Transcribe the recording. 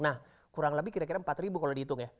nah kurang lebih kira kira empat ribu kalau dihitung ya